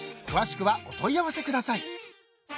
［詳しくはお問い合わせください］